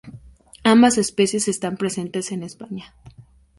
Ambas especies están presentes en España.